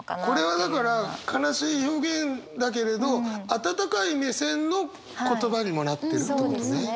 これはだから悲しい表現だけれど温かい目線の言葉にもなってるってことね。